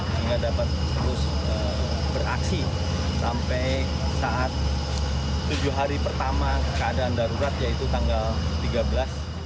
sehingga dapat terus beraksi sampai saat tujuh hari pertama keadaan darurat yaitu tanggal tiga belas